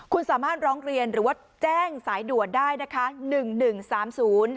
คุณสามารถร้องเรียนหรือว่าแจ้งสายด่วนได้นะคะหนึ่งหนึ่งสามศูนย์